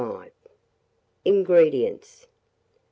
INGREDIENTS.